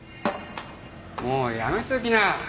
もうやめときな。